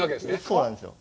そうなんですよ。